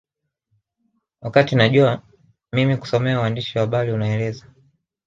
Wakati najua mimi sikusomea uandishi wa habari anaeleza